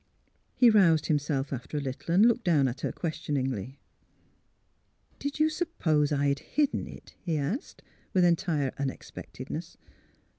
He roused himself after a little and looked down at her questioningly. '' Did you suppose I had hidden it? " he asked, with entire unexpectedness.